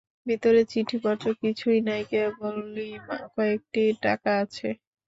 ভিতরে চিঠিপত্র কিছুই নাই, কেবলই কয়েকটি টাকা আছে।